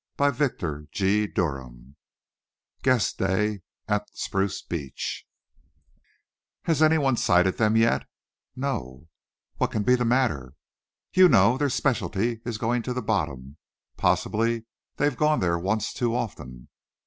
Conclusion CHAPTER I "GUESS DAY" AT SPRUCE BEACH "Has anyone sighted them yet?" "No." "What can be the matter?" "You know, their specialty is going to the bottom. Possibly they've gone there once too often."